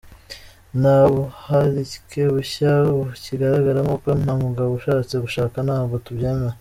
Nta buharike bushya bukigaragara kuko n’umugabo ushatse gushaka ntabwo tubyemera.